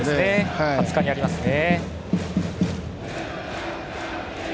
２０日にありますね。